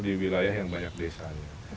di wilayah yang banyak desanya